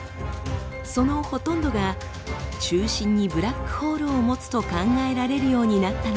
そのほとんどが中心にブラックホールを持つと考えられるようになったのです。